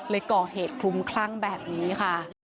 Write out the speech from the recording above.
ก่อเหตุคลุมคลั่งแบบนี้ค่ะ